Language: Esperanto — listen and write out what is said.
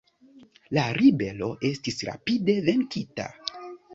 La ribelo estis rapide venkita.